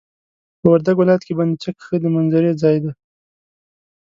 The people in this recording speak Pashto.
په وردګ ولايت کي بند چک ښه د منظرې ځاي دي.